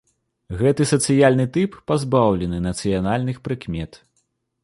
Гэты сацыяльны тып пазбаўлены нацыянальных прыкмет.